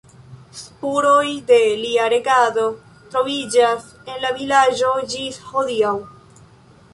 Spuroj de ilia regado troviĝas en la vilaĝo ĝis hodiaŭ.